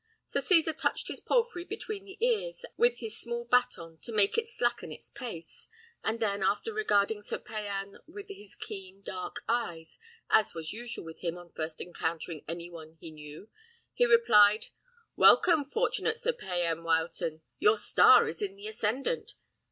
Sir Cesar touched his palfrey between the ears with his small baton to make it slacken its pace; and then, after regarding Sir Payan with his keen dark eyes, as was usual with him on first encountering any one he knew, he replied, "Welcome, fortunate Sir Payan Wileton! Your star is in the ascendant!"